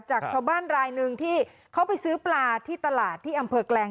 จากชาวบ้านรายหนึ่งที่เขาไปซื้อปลาที่ตลาดที่อำเภอแกลง